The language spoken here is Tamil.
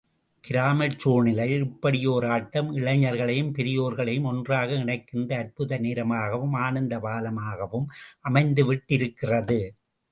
கிராமச் சூழ்நிலையில் இப்படி ஒர் ஆட்டம் இளைஞர்களையும் பெரியோர்களையும் ஒன்றாக இணைக்கின்ற அற்புத நேரமாகவும், ஆனந்த பாலமாகவும் அமைந்துவிட்டிருக்கிறது.